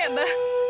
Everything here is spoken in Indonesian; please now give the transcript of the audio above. ba dengar ba